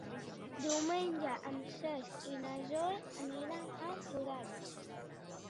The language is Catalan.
Diumenge en Cesc i na Zoè aniran a Godall.